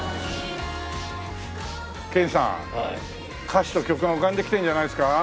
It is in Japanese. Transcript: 歌詞と曲が浮かんできてるんじゃないですか？